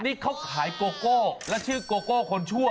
นี่เขาขายโกโก้และชื่อโกโก้คนชั่ว